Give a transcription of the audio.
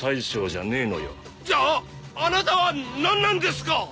じゃああなたは何なんですか？